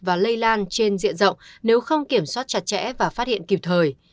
và lây lan trên diện rộng nếu không kiểm soát chặt chẽ và phát hiện kịp thời